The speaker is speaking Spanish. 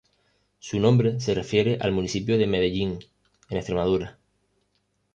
Su nombre se refiere al municipio de Medellín, en Extremadura.